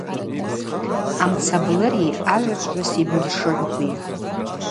Амцаблыри агӏвычӏвгӏвыс йбыгӏвшыгӏвкви.